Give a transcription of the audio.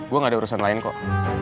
gue gak ada urusan lain kok